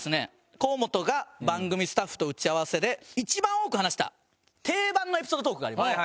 河本が番組スタッフと打ち合わせで一番多く話した定番のエピソードトークがあります。